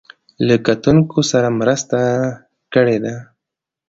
له کتونکو سره مرسته کړې ده.